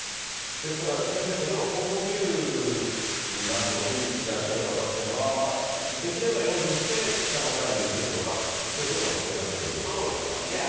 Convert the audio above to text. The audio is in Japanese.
ですから、先生、高層ビルなどにいらっしゃる方っていうのは、できれば用心して下の階に移るとか、そういうことが必要になってそうですね。